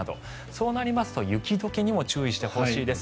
そうなりますと雪解けにも注意してほしいです。